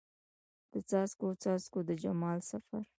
د څاڅکو، څاڅکو د جمال سفر